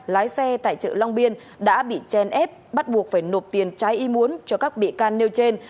lái xe tại chợ long biên đã bị chèn ép bắt buộc phải nộp tiền trái i muốn cho các bị can nêu trên